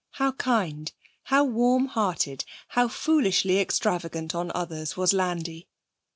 How kind, how warm hearted, how foolishly extravagant on others was Landi!